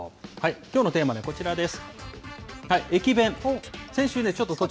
きょうのテーマ、こちらです。